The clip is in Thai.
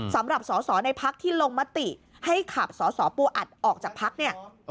สำหรับสอสอในพักที่ลงมติให้ขับสสปูอัดออกจากพักเนี่ย